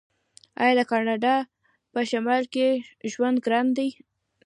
آیا د کاناډا په شمال کې ژوند ګران نه دی؟